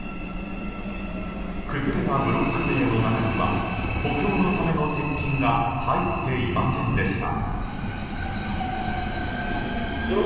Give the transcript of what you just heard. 崩れたブロック塀の中には補強のための鉄筋が入っていませんでした。